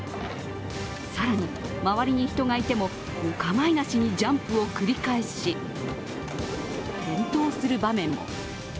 更に、周りに人がいてもお構いなしにジャンプを繰り返し転倒する場面も。